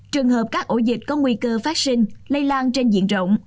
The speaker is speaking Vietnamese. trường hợp các ổ dịch có nguy cơ phát sinh lây lan trên diện rộng